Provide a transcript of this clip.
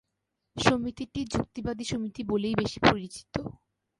সমিতিটি "যুক্তিবাদী সমিতি" বলেই বেশি পরিচিত।